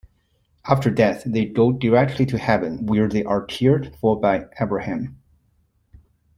After death they go directly to Heaven, where they are cared for by Abraham.